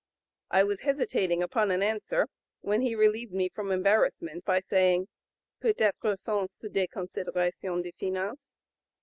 I was hesitating upon an answer when he relieved me from embarrassment by saying, 'Peut être sont ce des considerations de finance?'